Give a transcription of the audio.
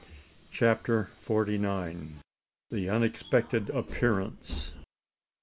CHAPTER FORTY NINE. AN UNEXPECTED APPEARANCE.